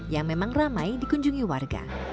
yang memang ramai dikunjungi warga